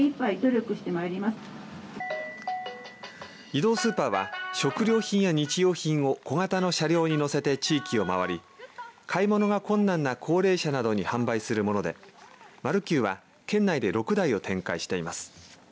移動スーパーは食料品や日用品を小型の車両に載せて地域を回り買い物が困難な高齢者などに販売するもので丸久は県内で６台を展開しています。